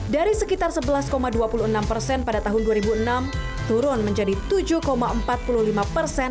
dari sekitar sebelas dua puluh enam persen pada tahun dua ribu enam turun menjadi tujuh empat puluh lima persen